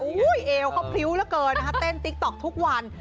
อู้ยเอวเขาพริวแล้วเกินน่ะเต้นติ๊กต๊อกทุกวัน